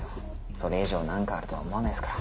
それ以上何かあるとは思わないっすから。